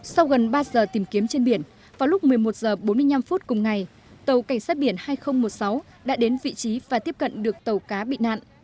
sau gần ba giờ tìm kiếm trên biển vào lúc một mươi một h bốn mươi năm cùng ngày tàu cảnh sát biển hai nghìn một mươi sáu đã đến vị trí và tiếp cận được tàu cá bị nạn